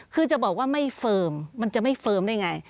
คือจะบอกว่าไม่เฟิร์มมันจะไม่เฟิร์มได้ไง